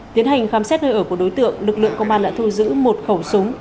tiến hành khám xét nơi ở của đối tượng lực lượng công an đã thu giữ một khẩu súng